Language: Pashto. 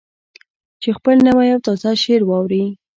چې خپل نوی او تازه شعر واوروي.